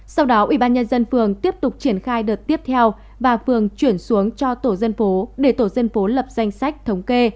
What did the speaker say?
sau đó ubnd phường tiếp tục triển khai đợt tiếp theo và phường chuyển xuống cho tổ dân phố để tổ dân phố lập danh sách thống kê